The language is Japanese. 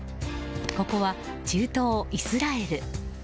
ここは中東イスラエル。